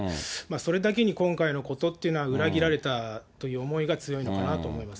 それだけに今回のことっていうのは、裏切られたという思いが強いのかなと思います。